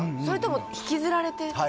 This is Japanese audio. それとも引きずられて？